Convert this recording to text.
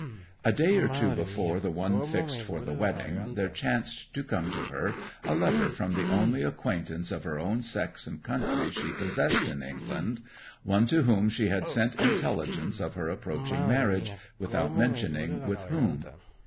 'A day or two before the one fixed for the wedding there chanced to come to her a letter from the only acquaintance of her own sex and country she possessed in England, one to whom she had sent intelligence of her approaching marriage, without mentioning with whom.